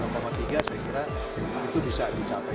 saya kira itu bisa dicapai